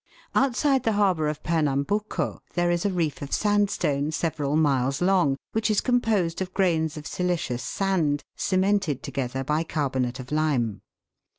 Outside the harbour of Pernambuco there is a reef of sandstone, several miles long, which is composed of grains of silicious sand, cemented together by carbonate of lime.